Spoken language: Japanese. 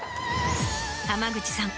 濱口さん